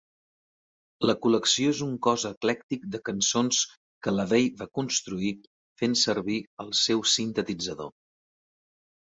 La col·lecció és un cos eclèctic de cançons que LaVey va construir fent servir el seu sintetitzador.